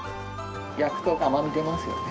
焼くと甘み出ますよね